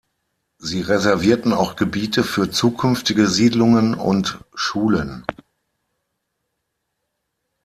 Sie reservierten auch Gebiete für zukünftige Siedlungen und Schulen.